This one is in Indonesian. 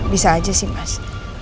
bisa aja sih mas